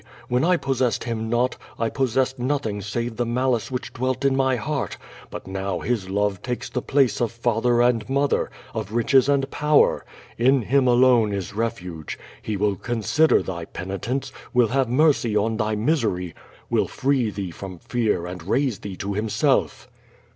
When I possessed Him not, I possessed nothing save the malice which dwelt in my heart, but now His love takes the place of father and mother, of riches and power. In Him alone is refuge. He will consider thy penitence, will have mercy on thy misery, will free thee from fear and raise thee to Him self.